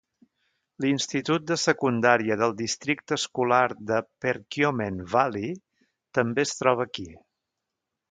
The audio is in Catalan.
L'institut de secundària del districte escolar de Perkiomen Valley també es troba aquí.